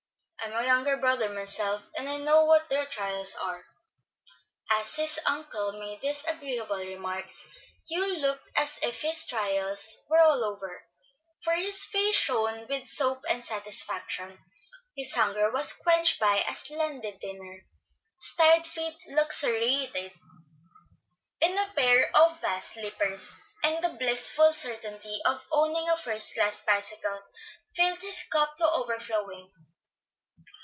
I'm a younger brother myself, and I know what their trials are." As his uncle made these agreeable remarks, Hugh looked as if his trials were all over; for his face shone with soap and satisfaction, his hunger was quenched by a splendid dinner, his tired feet luxuriated in a pair of vast slippers, and the blissful certainty of owning a first class bicycle filled his cup to overflowing.